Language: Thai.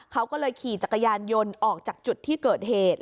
เขาก็เลยขี่จักรยานยนต์ออกจากจุดที่เกิดเหตุ